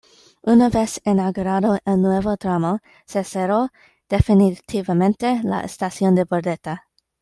Una vez inaugurado el nuevo tramo se cerró definitivamente la estación de Bordeta.